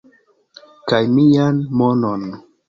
kaj mian monon